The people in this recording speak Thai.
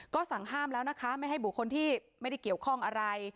ก็สั่งห้ามแล้วนะคะไม่ให้บุคคลที่ไม่ได้เกี่ยวข้องอะไร